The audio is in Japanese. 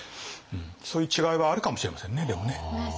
そういう違いはあるかもしれませんねでもね。